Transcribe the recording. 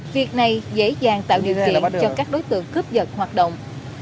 việc này dễ dàng tạo điều kiện cho các đối tượng cướp dật hoạt động